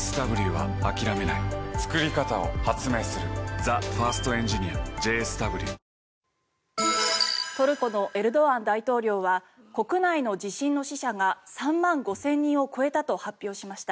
サントリー「ロコモア」トルコのエルドアン大統領は国内の地震の死者が３万５０００人を超えたと発表しました。